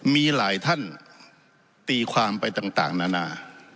มีหลายท่านตีความไปต่างนานา